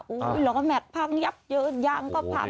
โอ้โหล้อแม็กซ์พังยับเยินยางก็พัง